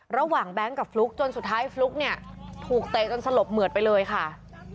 แบงค์กับฟลุ๊กจนสุดท้ายฟลุ๊กเนี่ยถูกเตะจนสลบเหมือดไปเลยค่ะ